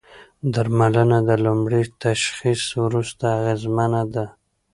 درملنه د لومړي تشخیص وروسته اغېزمنه ده.